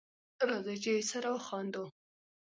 راځی چی سره وخاندو